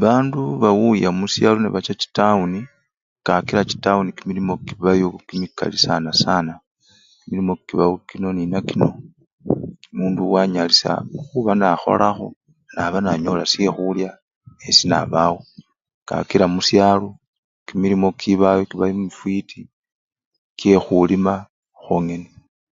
Bandu bawuya mushalo nebacha chitawuni kakila chitawuni kimilimo kibayo kimikali saana saana kimilimo kibawo kino ninakino omundu wanyalisha khuba nakholakho naba nanyola shekhulya yesi nabawo kakila mushalo kimilimo kibayo kiba kimifwiti kyekhulima khwongene.